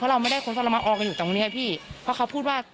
เพราะเราไม่ได้ค้นทรมานออกมาอยู่ตรงเนี้ยพี่เพราะเขาพูดว่า